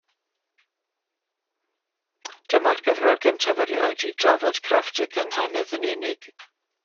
Dyma'r gyfrol gyntaf erioed i drafod crefft y gynghanedd yn unig.